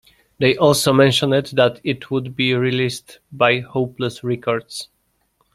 They also mentioned that it would be released by Hopeless Records.